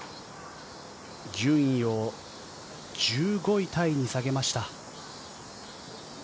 順位を１５位タイに下げました。